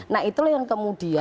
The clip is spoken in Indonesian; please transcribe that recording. nah itu yang kemudian